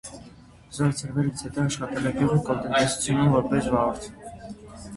Զորացրվելուց հետո աշխատել է գյուղի կոլտնտեսությունում՝ որպես վարորդ։